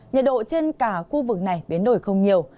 nhiệt độ trên cả khu vực này biến đổi không nhiều